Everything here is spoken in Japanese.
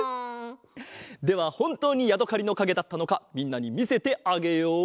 ではほんとうにやどかりのかげだったのかみんなにみせてあげよう！